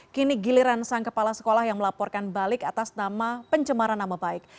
kini giliran sang kepala sekolah yang melaporkan balik atas nama pencemaran nama baik